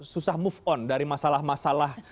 susah move on dari masalah masalah